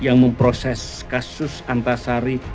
yang memproses kasus antasari